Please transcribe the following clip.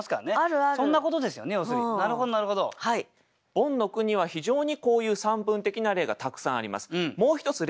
ボンの句には非常にこういう散文的な例がたくさんあります。